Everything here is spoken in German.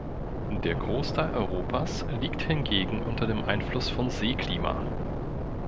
Der Großteil Europas liegt hingegen unter dem Einfluss von Seeklima.